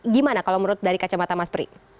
gimana kalau menurut dari kacamata mas pri